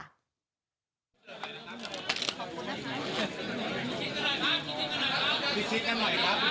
เถิดมือสองแถลงด้วยครับ๑๐๐๐ภาพ